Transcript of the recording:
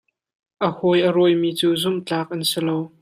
A hawi a rawimi cu zumh tlak an si lo.